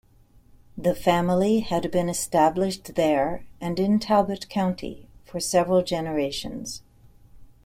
The family had been established there and in Talbot County for several generations.